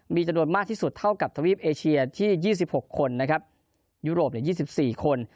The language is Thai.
มีจำนวนมากที่สุดเท่ากับทวีฟเอเชียที่ยี่สิบหกคนนะครับยุโรปเนี่ยยี่สิบสี่คน